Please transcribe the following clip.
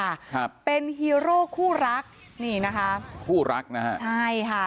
ครับเป็นฮีโร่คู่รักนี่นะคะคู่รักนะฮะใช่ค่ะ